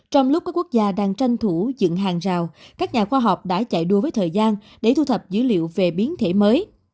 trong lúc các quốc gia đang tranh thủ dựng hàng rào các nhà khoa học đã chạy đua với thời gian để thu thập dữ liệu về biến thể mới